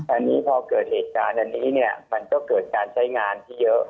อันนี้พอเกิดเหตุการณ์อันนี้เนี่ยมันก็เกิดการใช้งานที่เยอะ